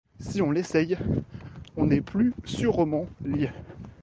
Si on l’essaie, on est plus sûrement lié.